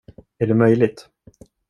Är det möjligt?